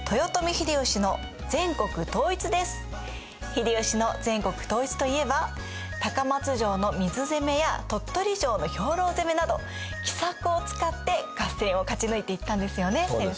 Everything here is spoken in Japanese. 秀吉の全国統一と言えば高松城の水攻めや鳥取城の兵糧攻めなど奇策を使って合戦を勝ち抜いていったんですよね先生。